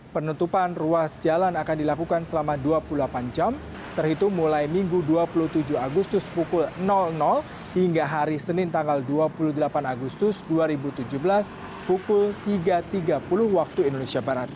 penutupan ruas jalan akan dilakukan selama dua puluh delapan jam terhitung mulai minggu dua puluh tujuh agustus pukul hingga hari senin tanggal dua puluh delapan agustus dua ribu tujuh belas pukul tiga tiga puluh waktu indonesia barat